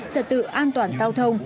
trật tự an toàn giao thông